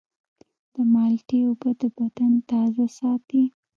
د مالټې اوبه د بدن تازه ساتي.